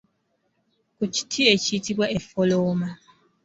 Ku kiti ekiyitibwa effolooma.